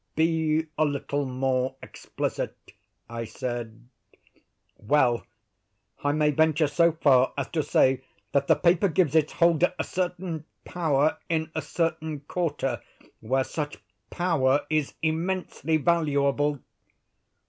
"Be a little more explicit," I said. "Well, I may venture so far as to say that the paper gives its holder a certain power in a certain quarter where such power is immensely valuable."